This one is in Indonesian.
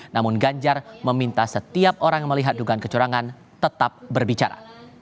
namun ganjar meminta setiap orang melihat dugaan kecurangan tetap berbicara